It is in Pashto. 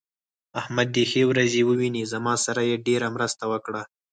احمد دې ښه ورځ وويني؛ زما سره يې ډېره مرسته وکړه.